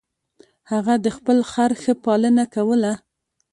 هغه د خپل خر ښه پالنه کوله.